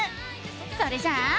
それじゃあ。